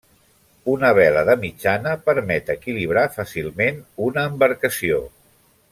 Una vela de mitjana permet equilibrar fàcilment una embarcació.